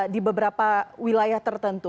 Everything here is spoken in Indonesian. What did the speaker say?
di beberapa wilayah tertentu